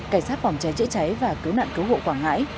cảnh sát phòng trái trợ tráy và cứu nạn cứu hộ quảng ngãi